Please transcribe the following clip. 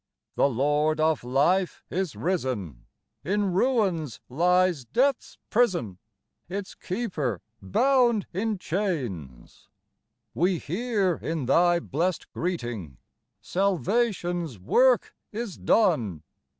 The Lord of life is risen : In ruins lies death's prison, Its keeper bound in chains. iiS We hear, in Thy blest greeting, Salvation's work is done